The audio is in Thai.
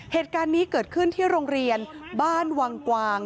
เหตุการณ์นี้เกิดขึ้นที่โรงเรียนบ้านวังกวาง